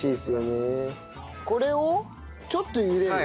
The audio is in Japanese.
これをちょっと茹でる？